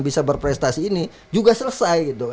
bisa berprestasi ini juga selesai gitu